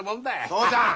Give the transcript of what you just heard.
父ちゃん！